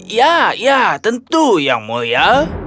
ya ya tentu yang mulia